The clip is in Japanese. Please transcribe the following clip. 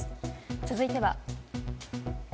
続いては。